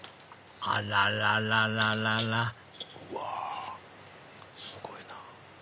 あららららうわすごいな。